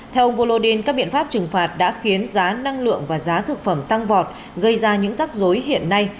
theo ông volodin các biện pháp trừng phạt đã khiến giá năng lượng và giá thực phẩm tăng vọt gây ra những rắc rối hiện nay